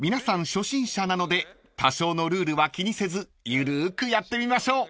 初心者なので多少のルールは気にせず緩くやってみましょう］